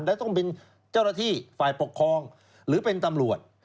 และต้องเป็นเจ้าหน้าที่ฝ่ายปกครองหรือเป็นตำรวจ